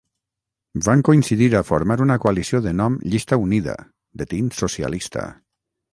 Van coincidir a formar una coalició de nom Llista Unida, de tint socialista.